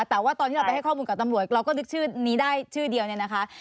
แต่ว่าตอนที่เราไปให้ข้อมูลกับตำรวจเราก็นึกชื่อนี้ได้ชื่อเดียวเนี่ยนะคะ